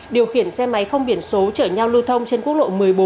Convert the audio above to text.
điều khiển xe máy không biển số chở nhau lưu thông trên quốc lộ một mươi bốn